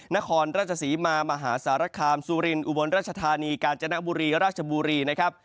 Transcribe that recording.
นครราชศรีมามหาสารคามสุรินอุบลราชธานีกาญจนบุรีราชบุรีนะครับ